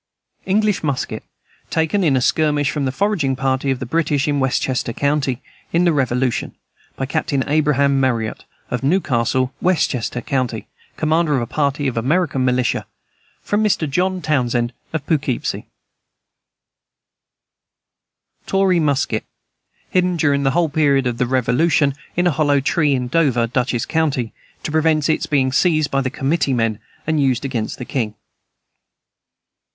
English musket, taken in a skirmish from a foraging party of the British in Westchester county, in the Revolution, by Captain Abraham Meriot, of Newcastle, Westchester county, commander of a party of American militia. From Mr. John Townsend, of Poughkeepsie. Tory musket, hidden during the whole period of the Revolution, in a hollow tree, in Dover, Dutchess county, to prevent its being seized by the committee men and used against the king.